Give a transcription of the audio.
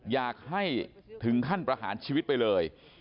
อยากให้ถึงขั้นประหารชีวิตไปเลย